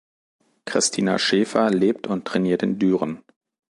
Christina Schäfer lebt und trainiert in Düren.